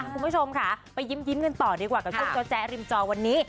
คุณผู้ชมค่ะไปยิ้มกันต่อดีกว่ากับกุ้งจอแจ๊ริมจอวันนี้